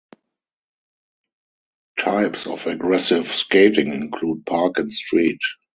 Types of aggressive skating include Park and Street.